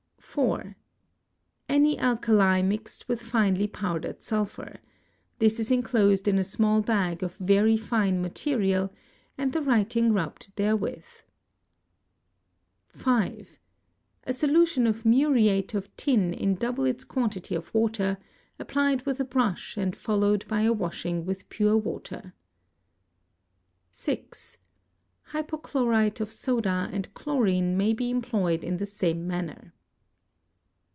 * 4. Any alkali mixed with finely powdered sulphur: this is enclosed in a small bag of very fine material, and the writing rubbed therewith. 5. A solution of muriate of tin in double its quantity of water, applied with a brush and followed by a washing with pure water. 6. Hypochlorite of soda and chlorine may be employed in the same manner.